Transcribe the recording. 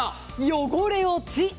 汚れ落ち。